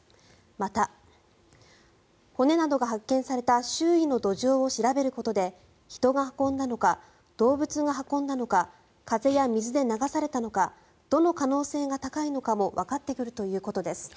また、骨などが発見された周囲の土壌を調べることで人が運んだのか動物が運んだのか風や水で流されたのかどの可能性が高いのかもわかってくるということです。